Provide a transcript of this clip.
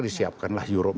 disiapkanlah euro empat